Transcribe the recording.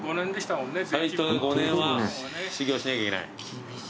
最低５年は修業しなきゃいけない。